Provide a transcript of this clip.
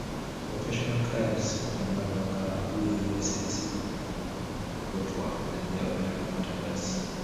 Professional cars often have longer wheelbases, and longer coachwork than their ordinary counterparts.